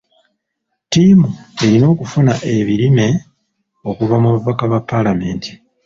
Ttiimu erina okufuna ebirime okuva mu babaka ba paalamenti.